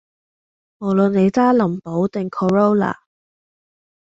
無論你揸林寶定 corolla